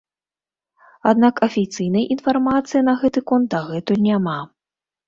Аднак афіцыйнай інфармацыі на гэты конт дагэтуль няма.